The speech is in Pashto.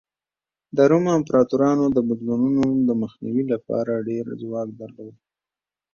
د روم امپراتورانو د بدلونونو د مخنیوي لپاره ډېر ځواک درلود